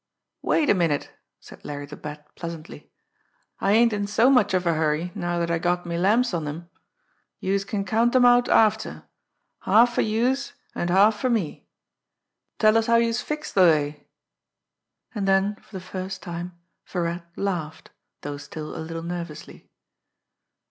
"Wait a minute!" said Larry the Bat pleasantly. "I ain't in so much of a hurry now dat I got me lamps on 'em! Youse can count 'em out after half for youse, an' half fer me. Tell us how youse fixed de lay." And then, for the first time, Virat laughed, though still a little nervously.